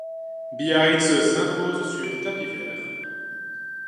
Biarritz s'impose sur tapis vert.